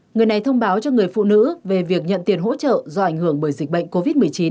người này thông báo cho người phụ nữ về việc nhận tiền hỗ trợ do ảnh hưởng bởi dịch bệnh covid một mươi chín